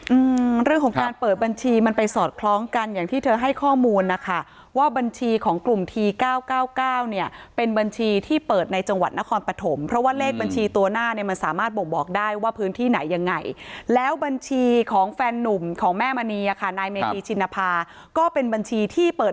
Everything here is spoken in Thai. อืมเรื่องของการเปิดบัญชีมันไปสอดคล้องกันอย่างที่เธอให้ข้อมูลนะคะว่าบัญชีของกลุ่มทีเก้าเก้าเก้าเนี่ยเป็นบัญชีที่เปิดในจังหวัดนครปฐมเพราะว่าเลขบัญชีตัวหน้าเนี่ยมันสามารถบ่งบอกได้ว่าพื้นที่ไหนยังไงแล้วบัญชีของแฟนนุ่มของแม่มณีอ่ะค่ะนายเมธีชินภาก็เป็นบัญชีที่เปิด